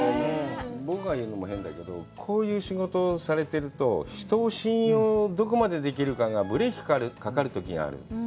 僕が言うのもなんだけど、こういう仕事をされてると、人を信用する、どこまでできるかがブレーキかかるときがある。